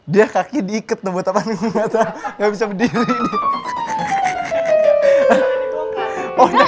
dia kaki diiket nunggu nunggu nggak bisa berdiri